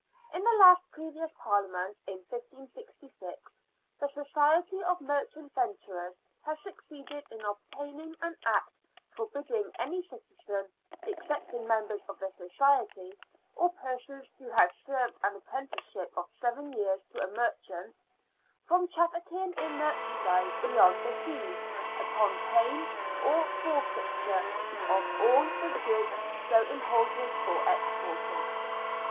In the last previous Parhament, in 1566, the Society of Merchant Venturers had succeeded in obtaining an Act forbidding any citizen, excepting members of the society, or persons who had served an apprenticeship of seven years to a merchant, from trafficking in merchandise beyond the seas, upon pain of forfeiture of all the goods so imported or exported.